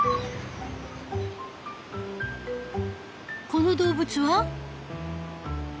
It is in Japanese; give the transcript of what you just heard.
この動物は？